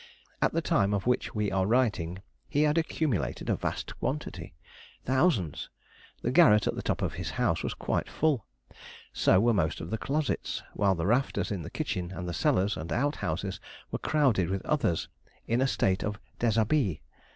At the time of which we are writing, he had accumulated a vast quantity thousands; the garret at the top of his house was quite full, so were most of the closets, while the rafters in the kitchen, and cellars, and out houses, were crowded with others in a state of déshabille.